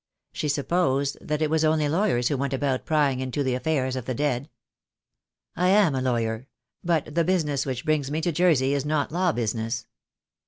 She supposed that it was only lawyers who went about prying into the affairs of the dead. "I am a lawyer; but the business which brings me to Jersey is not law business."